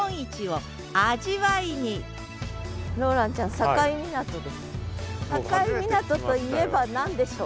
境港といえば何でしょう？